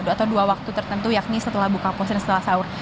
atau dua waktu tertentu yakni setelah buka puasa dan setelah sahur